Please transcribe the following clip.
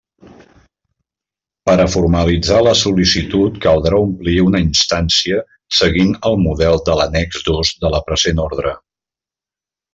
Per a formalitzar la sol·licitud caldrà omplir una instància seguint el model de l'annex dos de la present orde.